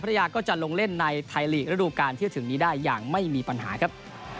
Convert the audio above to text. ยาก็จะลงเล่นในไทยลีกระดูกการที่จะถึงนี้ได้อย่างไม่มีปัญหาครับ